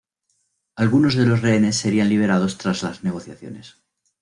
Algunos de los rehenes serían liberados tras las negociaciones.